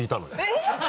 えっ！